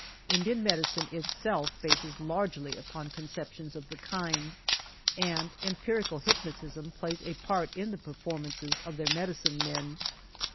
Indian medicine itself bases largely upon conceptions of the kind, and empirical hypnotism plays a part in the per formances of their medicine men.